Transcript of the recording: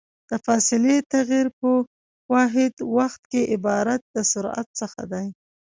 د فاصلې تغير په واحد وخت کې عبارت د سرعت څخه ده.